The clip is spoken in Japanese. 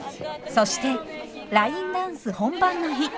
そしてラインダンス本番の日。